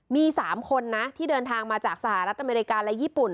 มี๓คนนะที่เดินทางมาจากสหรัฐอเมริกาและญี่ปุ่น